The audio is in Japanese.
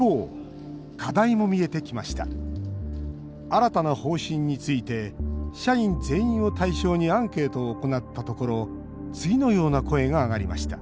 新たな方針について社員全員を対象にアンケートを行ったところ次のような声が上がりました